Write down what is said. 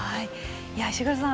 石黒さん